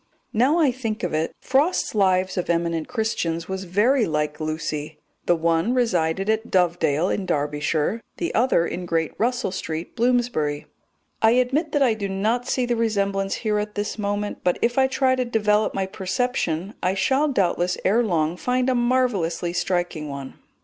Now I think of it, Frost's Lives of Eminent Christians was very like Lucy. The one resided at Dovedale in Derbyshire, the other in Great Russell Street, Bloomsbury. I admit that I do not see the resemblance here at this moment, but if I try to develop my perception I shall doubtless ere long find a marvellously striking one.